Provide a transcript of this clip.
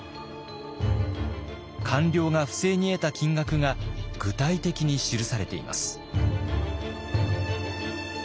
官僚が不正に得た金額が具体的に記されています。